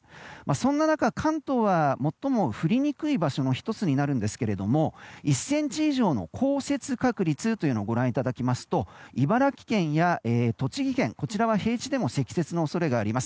そんな中、関東は最も降りにくい場所の１つになるんですけれども１ｃｍ以上の降雪確率というのをご覧いただきますと茨城県や栃木県は平地でも積雪の恐れがあります。